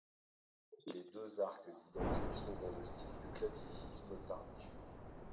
Les deux arcs identiques sont dans le style du classicisme tardif.